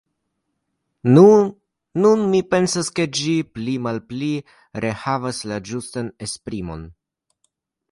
Nu, nun mi pensas, ke ĝi pli-malpi rehavas la ĝustan esprimon!